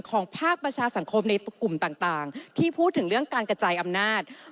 ภาคประชาสังคมในกลุ่มต่างที่พูดถึงเรื่องการกระจายอำนาจ